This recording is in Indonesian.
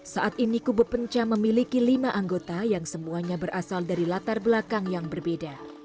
saat ini kubu penca memiliki lima anggota yang semuanya berasal dari latar belakang yang berbeda